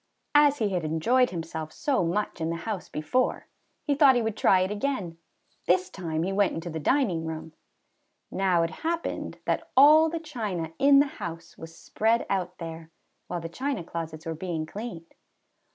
As he had enjoyed himself so much in the house before, he thought he would try it again. This time he went into the dining room. Now it happened that all the china in the ABOUT A COLT. 167 house was spread out there, while the china closets were being cleaned.